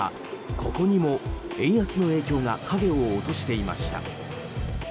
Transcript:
ここにも円安の影響が影を落としていました。